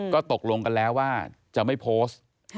ก็ตกลงกันแล้วว่าจะไม่โพสต์